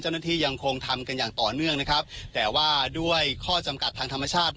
ยังคงทำกันอย่างต่อเนื่องนะครับแต่ว่าด้วยข้อจำกัดทางธรรมชาติ